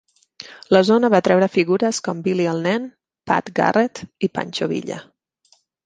La zona va atreure figures com Billy el Nen, Pat Garrett i Pancho Villa.